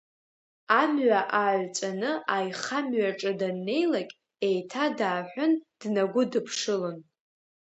Амҩа ааҩҵәаны аихамҩаҿы даннеилакь, еиҭа дааҳәын днагәыдыԥшылон.